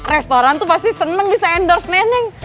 restoran tuh pasti senang bisa endorse nening